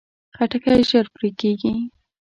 خټکی ژر پرې کېږي.